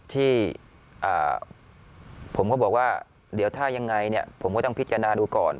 ที่ผมก็บอกว่าเดี๋ยวถ้ายังไงเนี่ยผมก็ต้องพิจารณาดูก่อน